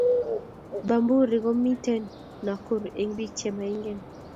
Bamburi komiten nakuru een pik cha maingen.